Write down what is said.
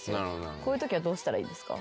こういうときはどうしたらいいんですか？